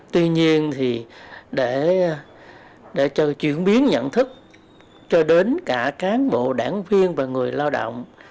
tuy nhiên thì để cho chuyển biến nhận thức cho đến cả cán bộ đảng viên và người lao động